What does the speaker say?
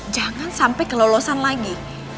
jangan sampai kelolosan lagi